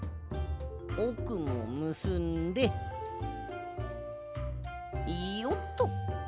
おくもむすんでよっと。